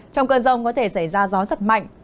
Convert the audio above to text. trong cơn rông có thể xảy ra gió giật mạnh